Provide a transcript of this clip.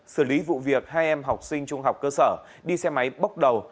xử lý vụ việc hai em học sinh trung học cơ sở đi xe máy bốc đầu